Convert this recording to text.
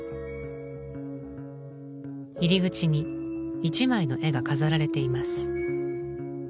入り口に一枚の絵が飾られています。